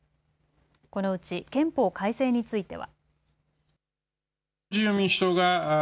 このうち憲法改正については。